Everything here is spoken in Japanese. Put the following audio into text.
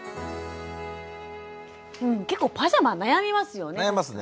結構パジャマ悩みますよね。